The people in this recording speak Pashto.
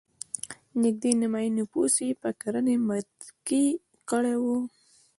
نږدې نیمايي نفوس یې پر کرنې متکي کړی و.